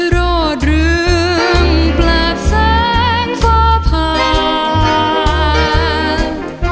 โรดลืมแปลบแสงฟ้าผ่าน